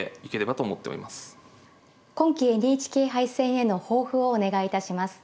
今期ＮＨＫ杯戦への抱負をお願いいたします。